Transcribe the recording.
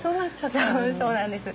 そうなんです。